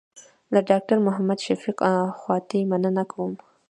له ډاکټر محمد شفق خواتي مننه کوم.